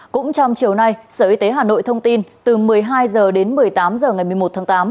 cũng trong chiều nay sở y tế hà nội thông tin từ một mươi hai h đến một mươi tám h ngày một mươi một tháng tám